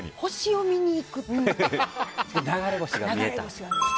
流れ星が見えたって。